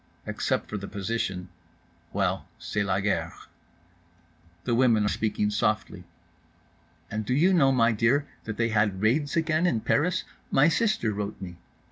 Except for the position—well, c'est la guerre. The women are speaking softly. "And do you know, my dear, that they had raids again in Paris? My sister wrote me."